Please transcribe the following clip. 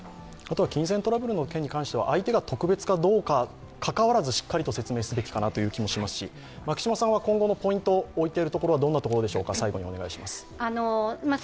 金銭トラブルに関しては相手が特別かどうかにかかわらずしっかりと説明すべきかなと気がしますし、今後のポイント、置いてるところはどんなところでしょうか？